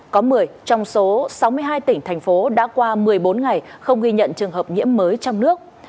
có một mươi trong số sáu mươi hai tỉnh thành phố đã qua một mươi bốn ngày không ghi nhận trường hợp nhiễm mới trong nước